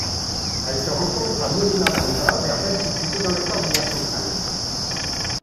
Elle se rencontre à Molinapampa vers d'altitude dans la cordillère Centrale.